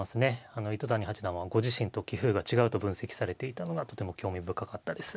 糸谷八段はご自身と棋風が違うと分析されていたのがとても興味深かったです。